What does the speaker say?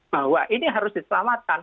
bahwa ini harus diselamatkan